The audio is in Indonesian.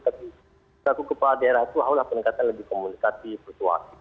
tapi kalau aku kepala daerah itu halnya pendekatan lebih komunikasi persuasi